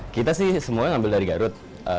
kita sih semuanya ngambil dari garut